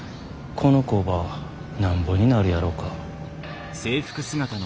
この工場なんぼになるやろか。